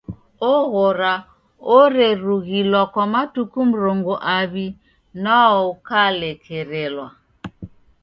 Oghora orerughilwa kwa matuku mrongo aw'i nwao ukalekerelwa.